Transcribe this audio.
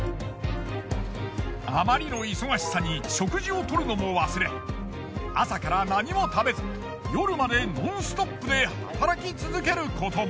あまりの忙しさに食事をとるのも忘れ朝から何も食べず夜までノンストップで働き続けることも。